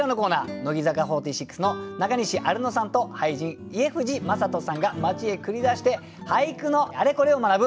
乃木坂４６の中西アルノさんと俳人家藤正人さんが町へ繰り出して俳句のあれこれを学ぶ